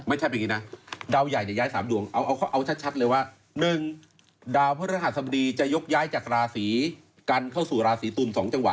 ไม่ใช่แบบนี้นะดาวใหญ่จะย้าย๓ดวงเอาชัดเลยว่า๑ดาวพฤษฐศาสตรีจะยกย้ายจากราศรีกันเข้าสู่ราศรีตุน๒จังหวะ